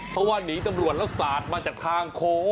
เพราะว่าหนีตำรวจแล้วสาดมาจากทางโค้ง